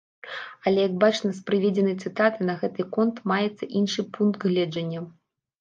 Але, як бачна з прыведзенай цытаты, на гэты конт маецца іншы пункт гледжання.